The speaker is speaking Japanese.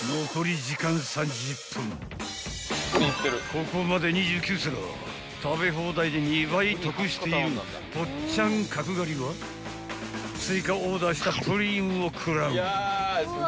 ［ここまで２９皿食べ放題で２倍得しているぽっちゃん角刈りは追加オーダーしたプリンを食らう］